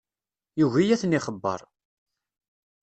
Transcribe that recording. Yugi ad ten-ixebber.